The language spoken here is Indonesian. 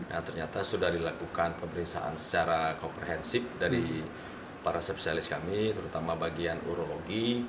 yang ternyata sudah dilakukan pemeriksaan secara komprehensif dari para spesialis kami terutama bagian urologi